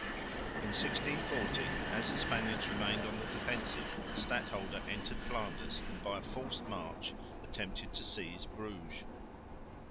In 1640, as the Spaniards remained on the defensive, the stadholder entered Flanders and by a forced march attempted to seize Bruges.